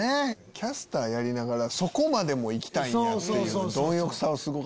キャスターやりながらそこまでも行きたいっていう。